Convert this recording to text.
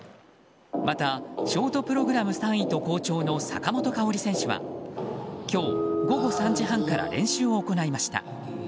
またショートプログラム３位と好調の坂本花織選手は今日午後３時半から練習を行いました。